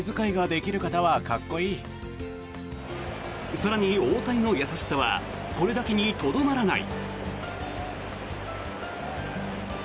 更に、大谷の優しさはこれだけにとどまらない。